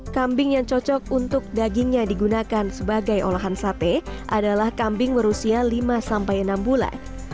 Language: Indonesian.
kambing yang cocok untuk dagingnya digunakan sebagai olahan sate adalah kambing berusia lima sampai enam bulan